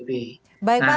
baik pak singkat sajid